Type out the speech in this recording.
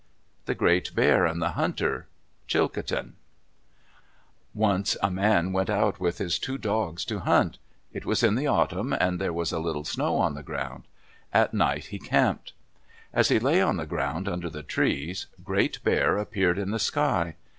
THE GREAT BEAR AND THE HUNTER Chilcotin Once a man went out with his two dogs to hunt. It was in the autumn and there was a little snow on the ground. At night he camped. As he lay on the ground under the trees, Great Bear appeared in the sky.